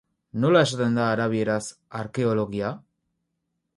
Nola esaten da arabieraz "arkeologia"?